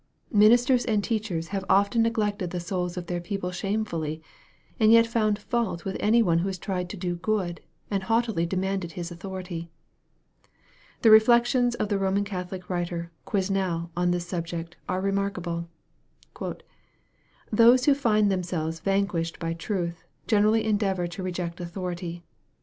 Minis ters and teachers have often neglected the souls of their people shame fully, and yet found fault with any one who has tried to do good, and haughtily demanded his authority ! The reflections of the Roman Catholic writer, Quesnel, on this sub iect, arc remarkable :" Those who find themselves vanquished by truth, generally endeavor to reject authority.